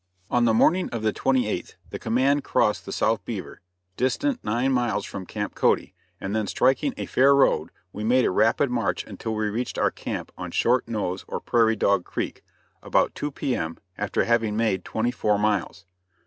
On the morning of the 28th the command crossed the South Beaver, distant nine miles from Camp Cody, and then striking a fair road we made a rapid march until we reached our camp on Short Nose or Prairie Dog Creek, about 2 P. M., after having made twenty four miles.